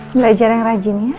belajar yang rajin ya